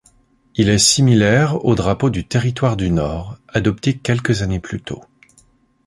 Il est similaire au drapeau du Territoire du Nord, adopté quelques années plus tôt.